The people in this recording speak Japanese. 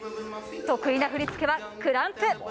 得意な振り付けはクランプ。